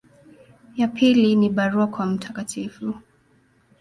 Ya pili ni barua kwa Mt.